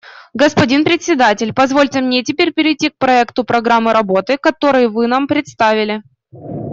Господин Председатель, позвольте мне теперь перейти к проекту программы работы, который вы нам представили.